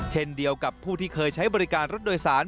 เช่นเดียวกับผู้ที่เคยใช้บริการรถโดยสาร